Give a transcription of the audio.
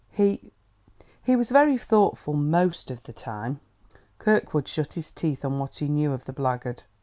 He ... he was very thoughtful, most of the time." Kirkwood shut his teeth on what he knew of the blackguard.